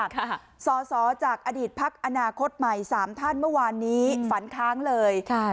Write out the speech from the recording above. ค่ะสอสอจากอดีตพักอนาคตใหม่สามท่านเมื่อวานนี้ฝันค้างเลยใช่